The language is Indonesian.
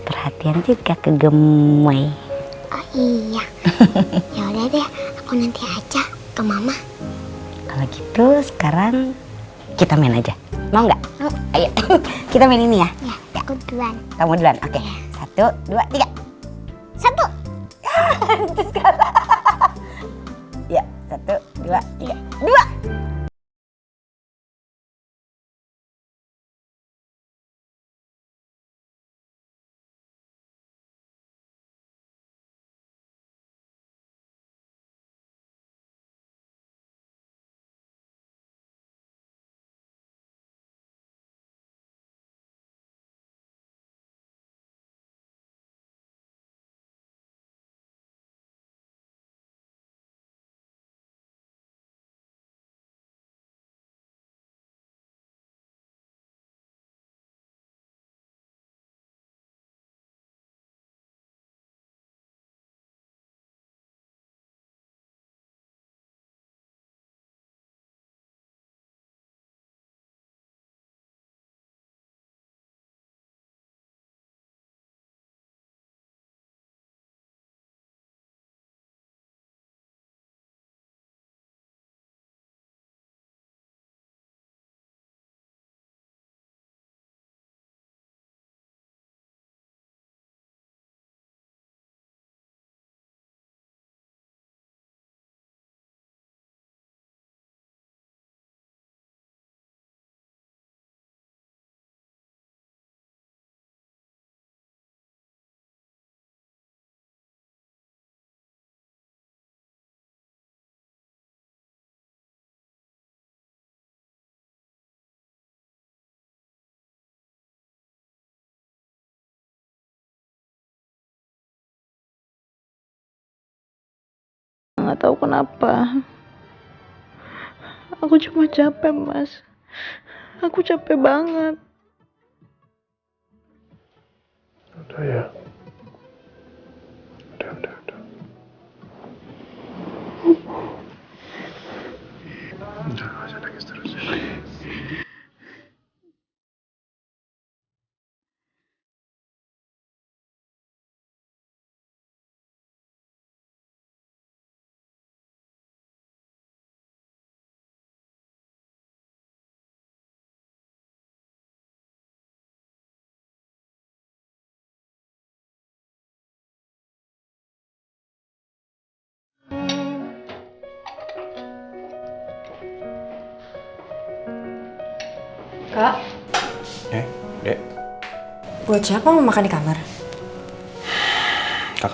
perhatian juga ke gemwe iya udah deh aku nanti aja ke mama kalau gitu sekarang kita main aja mau nggak